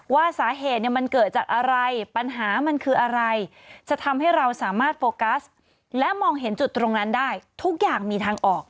ว่าสาเหตุมันเกิดจากอะไรปัญหามันคืออะไรจะทำให้เราสามารถโฟกัสและมองเห็นจุดตรงนั้นได้ทุกอย่างมีทางออก